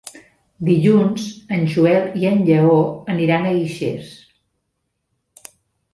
Dilluns en Joel i en Lleó aniran a Guixers.